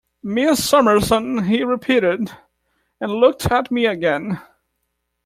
"Miss Summerson," he repeated, and looked at me again.